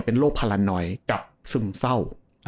เป็นโรคพารานอยกับซึมเศร้า